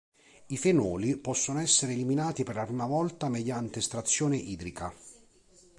I fenoli possono essere eliminati per la prima volta mediante estrazione idrica.